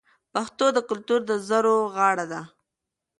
پښتو د کلتور د زرو غاړه ده.